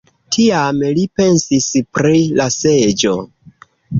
Tiam li pensis pri la seĝo.